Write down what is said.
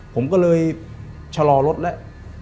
ผมก็เลยชะลอรถแล้ว